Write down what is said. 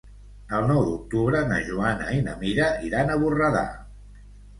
El nou d'octubre na Joana i na Mira iran a Borredà.